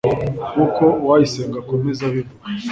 nk'uko Uwayisenga akomeza abivuga.